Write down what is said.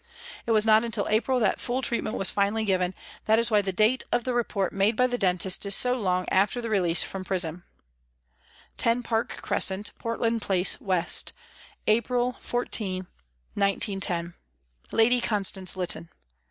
It was not till April that full treatment was finally given ; that is why the date of the report made by the dentist is so long after the release from prison :" 10, PARK CRESCENT, " Portland Place, W., " April 14, 1910. " LADY CONSTANCE LYTTON.